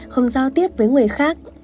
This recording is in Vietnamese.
không giao tiếp với người khác